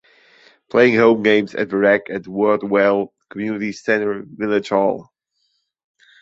Playing home games at the rec at Wortwell community centre village hall.